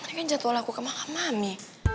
ini kan jadwal aku ke makam mami